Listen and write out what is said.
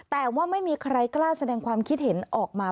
แต่ว่าไม่มีใครกล้าแสดงความคิดเห็นออกมา